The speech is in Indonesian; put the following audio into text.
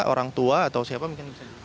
orang tua atau siapa mungkin bisa